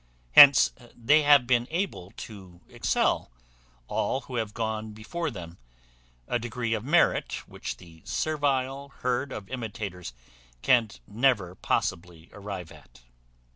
Hence they have been able to excel all who have gone before them; a degree of merit which the servile herd of imitators can never possibly arrive at.